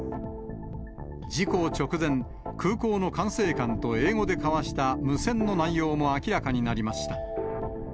事故直前、空港の管制官と英語で交わした無線の内容も明らかになりました。